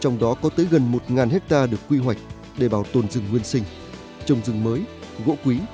trong đó có tới gần một hectare được quy hoạch để bảo tồn rừng nguyên sinh trồng rừng mới gỗ quý